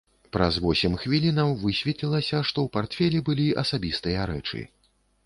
Праз восем хвілінаў высветлілася, што ў партфелі былі асабістыя рэчы.